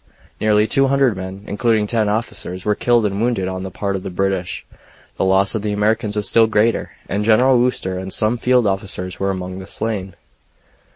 Nearly 200 men, including 10 officers, were killed and wounded on the part of the British; the loss of the Americans was still greater, and General Wooster and some field officers were among the slain.